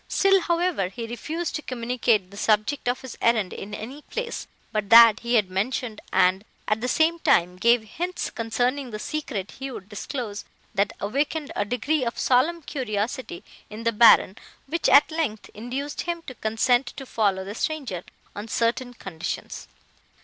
Still, however, he refused to communicate the subject of his errand in any place, but that he had mentioned, and, at the same time, gave hints concerning the secret he would disclose, that awakened a degree of solemn curiosity in the Baron, which, at length, induced him to consent to follow the stranger on certain conditions.